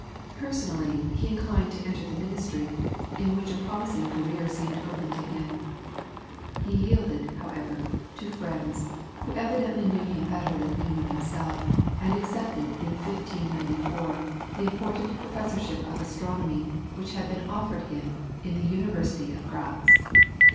Personally, he inclined to enter the ministry, in which a promising career seemed open to him. He yielded, however, to friends, who evidently knew him better than he knew himself, and accepted in 1594, the important Professorship of astronomy which had been offered to him in the University of Gratz.